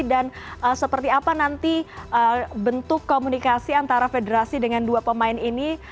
dan seperti apa nanti bentuk komunikasi antara federasi dengan dua pemain ini